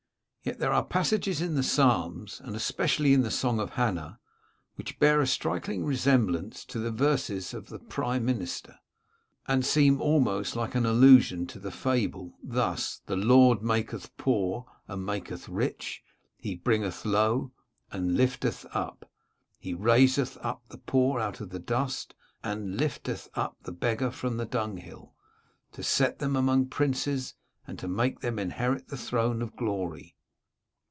Yet there are passages in the Psalms, and especially in the song of Hannah, which bear a striking resemblance to the verses of the prime minister, and seem almost like an allusion to the fable. Thus, " The Lord maketh poor, and maketh rich : he bringeth low, and lifteth up. He raiseth up the poor out of the dust, and lifteth up the beggar from the dunghill, to set them among princes, and to make them inherit the throne of glory."